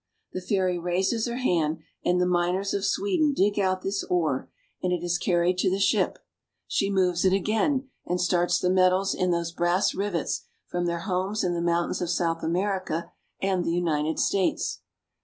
The fairy raises her hand, and the miners of Sweden dig out this ore and it is carried to 60 ENGLAND. the ship. She moves it again, and starts the metals in those brass rivets from their homes in the mountains of South America and the United States.